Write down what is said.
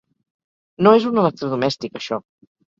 No és un electrodomèstic, això.